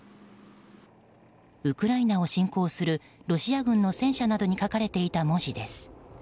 ウクライナを侵攻するロシア軍の戦車などに書かれていた文字です。